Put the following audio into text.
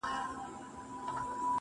چا ويل ډېره سوخي كوي~